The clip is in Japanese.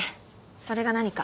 それが何か？